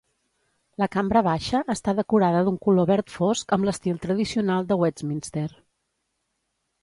La cambra baixa està decorada d'un color verd fosc amb l'estil tradicional de Westminster.